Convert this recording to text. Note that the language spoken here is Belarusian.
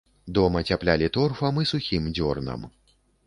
Дом ацяплялі торфам і сухім дзёрнам.